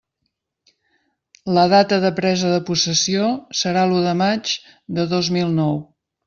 La data de presa de possessió serà l'u de maig de dos mil nou.